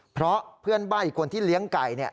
เพราะเพื่อนบ้านอีกคนที่เลี้ยงไก่